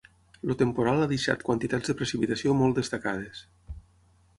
El temporal ha deixat quantitats de precipitació molt destacades.